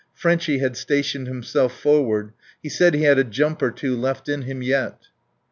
Frenchy had stationed himself forward. He said he had a jump or two left in him yet.